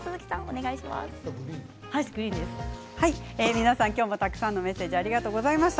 皆さん今日もたくさんのメッセージありがとうございました。